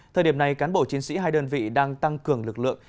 thời điểm này cán bộ chiến sĩ hai đơn vị đang tăng cường lực lượng